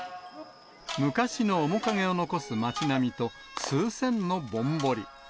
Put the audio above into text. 昔の面影を残す町並みと、数千のぼんぼり。